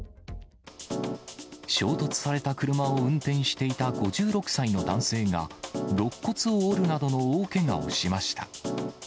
衝突された車を運転していた５６歳の男性が、ろっ骨を折るなどの大けがをしました。